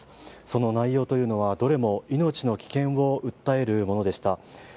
その内容というのは、どれも命の危険を訴えるものでした。